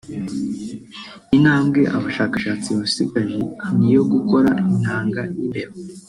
Intambwe aba bashakastsi basigaje ni iyo gukora intanga y’imbeba